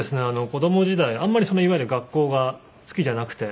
子供時代あんまりいわゆる学校が好きじゃなくて。